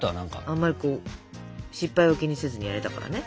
あんまりこう失敗を気にせずにやれたからね。